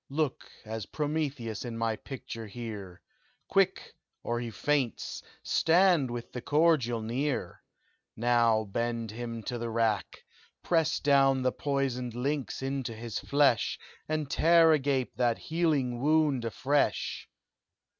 Look as Prometheus in my picture here! Quick or he faints! stand with the cordial near! Now bend him to the rack! Press down the poisoned links into his flesh! And tear agape that healing wound afresh!